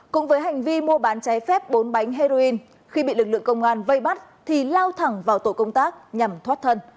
cũng với hành vi mua bán cháy phép bốn bánh heroin khi bị lực lượng công an vây bắt thì lao thẳng vào tổ công tác nhằm thoát thân